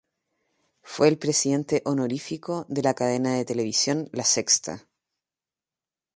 Fue el presidente honorífico de la cadena de televisión La Sexta.